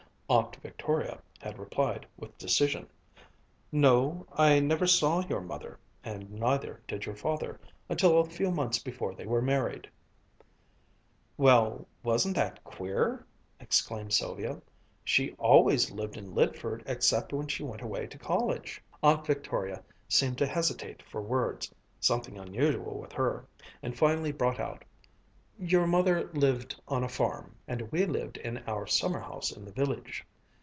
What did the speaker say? Aunt Victoria had replied with decision, "No, I never saw your mother, and neither did your father until a few months before they were married." "Well, wasn't that queer?" exclaimed Sylvia "she always lived in Lydford except when she went away to college." Aunt Victoria seemed to hesitate for words, something unusual with her, and finally brought out, "Your mother lived on a farm, and we lived in our summer house in the village."